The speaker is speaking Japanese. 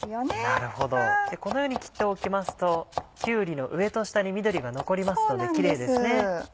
なるほどこのように切っておきますときゅうりの上と下に緑が残りますのでキレイですね。